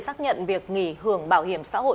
xác nhận việc nghỉ hưởng bảo hiểm xã hội